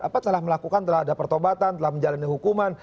apa salah melakukan telah ada pertobatan telah menjalani hukuman